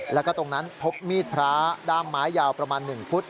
แล้วก็ตรงนั้นพบมีดพระด้ามไม้ยาวประมาณ๑ฟุต